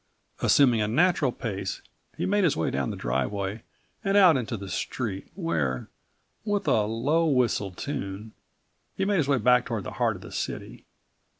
Assuming a natural pace, he made his way down this driveway and out into the street44 where, with a low whistled tune, he made his way back toward the heart of the city.